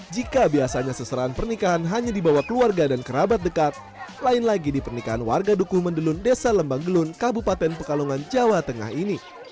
jika biasanya seserahan pernikahan hanya dibawa keluarga dan kerabat dekat lain lagi di pernikahan warga dukuh mendelun desa lembang gelun kabupaten pekalongan jawa tengah ini